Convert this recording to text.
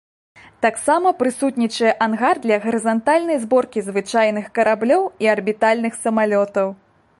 Таксама прысутнічае ангар для гарызантальнай зборкі звычайных караблёў і арбітальных самалётаў.